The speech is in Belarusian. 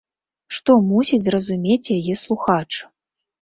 Што мусіць зразумець яе слухач?